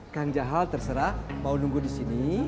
kang jaha terserah mau nunggu di sini